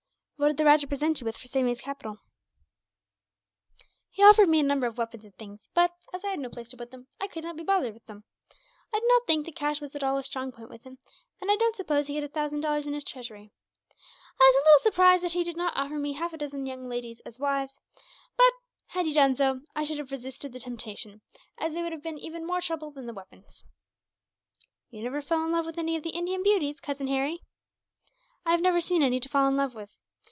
"What did the rajah present you with for saving his capital?" "He offered me a number of weapons and things but, as I had no place to put them in, I could not be bothered with them. I do not think that cash was at all a strong point with him, and I don't suppose he had a thousand dollars in his treasury. I was a little surprised that he did not offer me half a dozen young ladies as wives; but had he done so, I should have resisted the temptation, as they would have been even more trouble than the weapons." "You never fell in love with any of the Indian beauties, cousin Harry?" "I have never seen any to fall in love with.